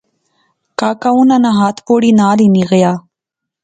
کاکا اُںاں نا ہتھ پوڑی نال ہنی غیا